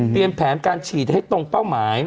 เปรียบแผนการฉีดให้ตรงเป้าหมาย